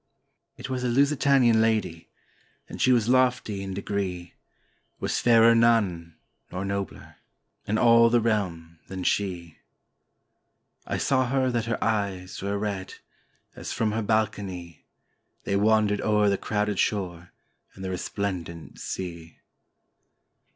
] It was a Lusitanian lady, and she was lofty in degree, Was fairer none, nor nobler, in all the realm than she; I saw her that her eyes were red, as, from her balcony, They wandered o'er the crowded shore and the resplen dent sea.